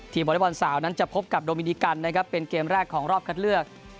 วอเล็กบอลสาวนั้นจะพบกับโดมินิกันนะครับเป็นเกมแรกของรอบคัดเลือก